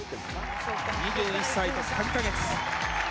２１歳と３か月。